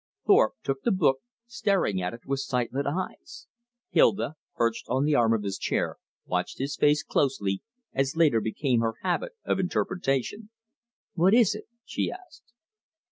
Thorpe took the book, staring at it with sightless eyes. Hilda, perched on the arm of his chair, watched his face closely, as later became her habit of interpretation. "What is it?" she asked.